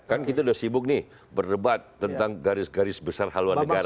kan kita sudah sibuk nih berdebat tentang garis garis besar haluan negara